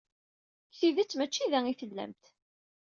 Deg tidet, maci da ay tellamt.